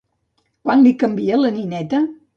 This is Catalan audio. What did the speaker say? Quan li canvia la nineta?